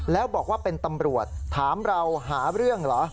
แล้วบอกว่าเป็นตำรวจถามเราหาเรื่องเหรอ